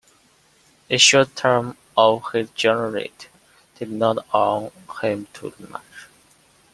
The short term of his generalate did not allow him to do much.